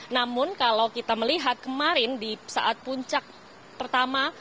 namun kalau kita melihat kemarin di saat puncak pertama